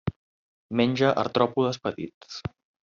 Menja artròpodes petits.